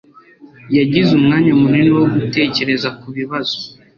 yagize umwanya munini wo gutekereza kubibazo